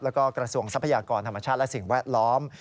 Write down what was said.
แล้วก็กระทรวงทรัพยากรธรรมชาติและสิ่งแวดล้อม